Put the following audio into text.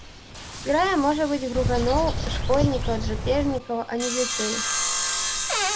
Зграя можа быць груганоў, шкоднікаў, драпежнікаў, а не дзяцей.